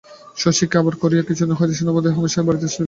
শশীকে অবাক করিয়া কিছুদিন হইতে সেনদিদি হামেশা এ বাড়িতে আসিতেছিল।